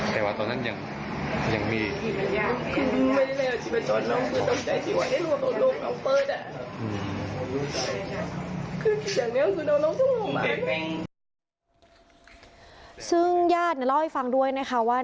ซึ่งญาติเล่าให้ฟังด้วยนะคะว่า